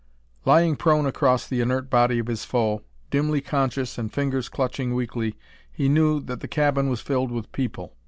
Lying prone across the inert body of his foe, dimly conscious and fingers clutching weakly, he knew that the cabin was filled with people.